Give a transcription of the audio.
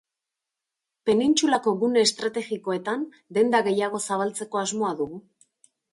Penintsulako gune estrategikoetan denda gehiago zabaltzeko asmoa dugu.